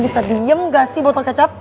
bisa diem gak sih botol kecap